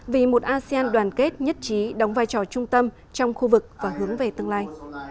vì một asean đoàn kết nhất trí đóng vai trò trung tâm trong khu vực và hướng về tương lai